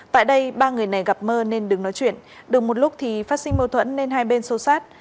tại đây ba người này gặp mơ nên đừng nói chuyện đừng một lúc thì phát sinh mâu thuẫn nên hai bên sâu sát